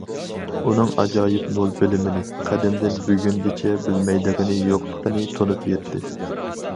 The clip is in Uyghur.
ئۇنىڭ ئاجايىپ مول بىلىمىنى، قەدىمدىن بۈگۈنگىچە بىلمەيدىغىنى يوقلۇقىنى تونۇپ يەتتى.